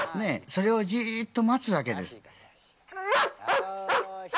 それをじっと待つわけなんです。